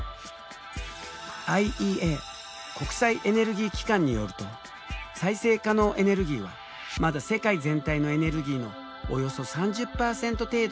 ＩＥＡ国際エネルギー機関によると再生可能エネルギーはまだ世界全体のエネルギーのおよそ３０％程度にすぎない。